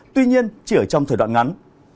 tuy nhiên chỉ ở trong thời đoạn ngắn